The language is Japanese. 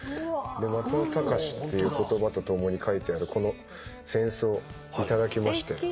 「松本隆」っていう言葉とともに書いてあるこの扇子を頂きまして。